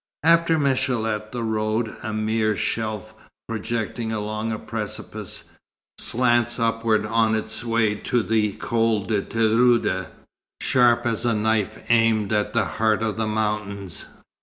After Michélet the road, a mere shelf projecting along a precipice, slants upward on its way to the Col de Tirouda, sharp as a knife aimed at the heart of the mountains.